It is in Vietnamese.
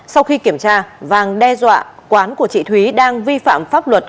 sau khi kiểm tra vàng đe dọa quán của chị thúy đang vi phạm pháp luật